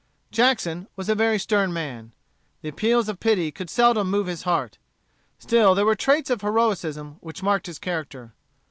Jackson was a very stern man. The appeals of pity could seldom move his heart. Still there were traits of heroism which marked his character.